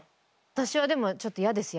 私はでもちょっと嫌です